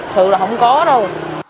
sự là không có đâu